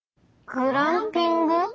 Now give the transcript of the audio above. グランピング？